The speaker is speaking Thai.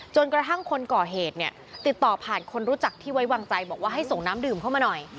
จนกระทั่งคนก่อเหตุเนี่ยติดต่อผ่านคนรู้จักที่ไว้วางใจบอกว่าให้ส่งน้ำดื่มเข้ามาหน่อย